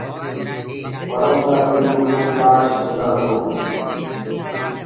وڻو ڪآ پيڏو ڪو ڪآٽ سگھو هوندو هي۔